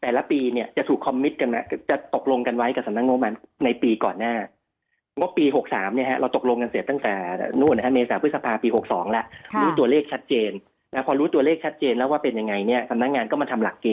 แต่ละปีจะถูกคอมมิตรกันมา